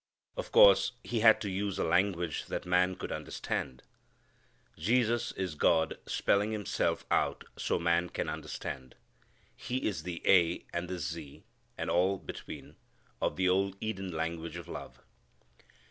Of course he had to use a language that man could understand. Jesus is God spelling Himself out so man can understand. He is the A and the Z, and all between, of the Old Eden language of love.